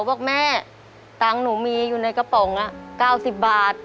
บอกแม่ตังค์หนูมีอยู่ในกระป๋อง๙๐บาท